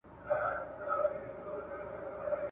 ښوونکی د زدهکوونکو د بریا هڅونه کوي.